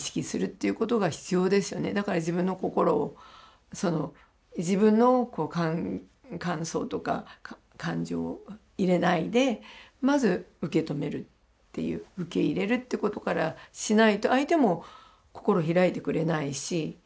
だから自分の心を自分の感想とか感情を入れないでまず受け止めるっていう受け入れるってことからしないと相手も心開いてくれないし。